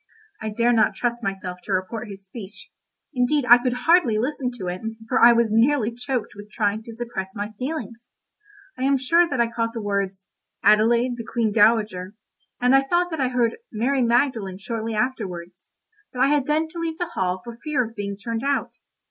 I dare not trust myself to report his speech—indeed I could hardly listen to it, for I was nearly choked with trying to suppress my feelings. I am sure that I caught the words "Adelaide, the Queen Dowager," and I thought that I heard "Mary Magdalene" shortly afterwards, but I had then to leave the hall for fear of being turned out.